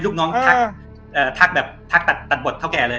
ลูกน้องทักเอ่อทักแบบทักตัดตัดบทเท้าแก่เลย